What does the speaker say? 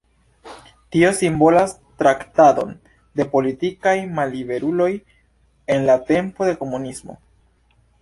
Tio simbolas traktadon de politikaj malliberuloj en la tempo de komunismo.